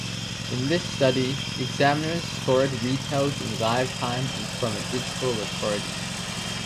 In this study, examiners scored retells in live time and from a digital recording.